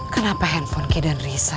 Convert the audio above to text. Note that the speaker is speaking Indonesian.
kenapa handphone ki dan risa